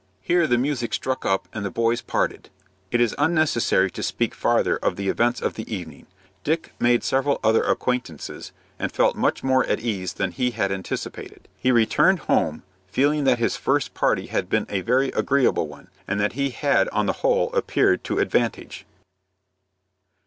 Here the music struck up, and the boys parted. It is unnecessary to speak farther of the events of the evening. Dick made several other acquaintances, and felt much more at ease than he had anticipated. He returned home, feeling that his first party had been a very agreeable one, and that he had on the whole appeared to advantage.